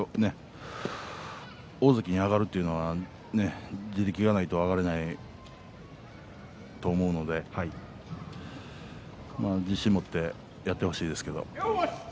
大関に上がるというのは地力がないと上がれないと思うので自信を持ってやってほしいですけど。